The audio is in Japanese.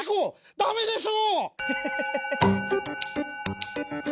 ダメでしょ！